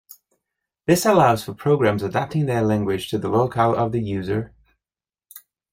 This allows for programs adapting their language to the locale of the user...